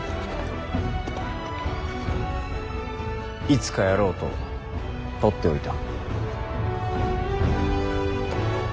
いつかやろうと取っておいた。